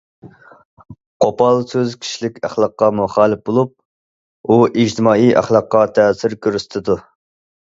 قوپال سۆز كىشىلىك ئەخلاققا مۇخالىپ بولۇپ، ئۇ ئىجتىمائىي ئەخلاققا تەسىر كۆرسىتىدۇ.